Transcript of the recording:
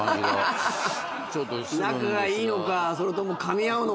仲がいいのかそれともかみ合うのか。